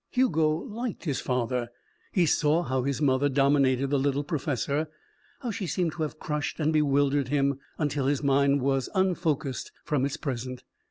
Hugo liked his father. He saw how his mother dominated the little professor, how she seemed to have crushed and bewildered him until his mind was unfocused from its present.